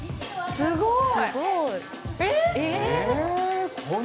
すごーい！